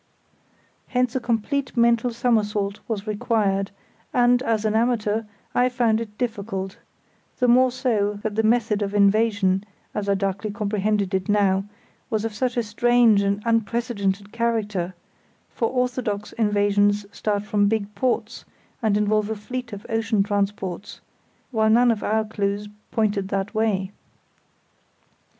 Hence a complete mental somersault was required, and, as an amateur, I found it difficult; the more so that the method of invasion, as I darkly comprehended it now, was of such a strange and unprecedented character; for orthodox invasions start from big ports and involve a fleet of ocean transports, while none of our clues pointed that way.